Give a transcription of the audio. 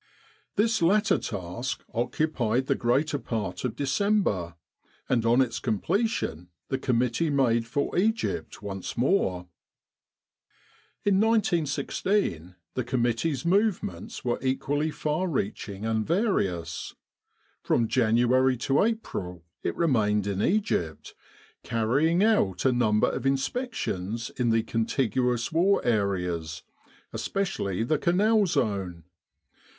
This latter task occupied the greater 220 The Medical Advisory Committee part of December, and on its completion the com mittee made for Egypt once more. In 1916 the committee's movements were equally far reaching and various. From January to April it remained in Egypt, carrying out a number of inspec tions in the contiguous war areas, especially the Canal zone.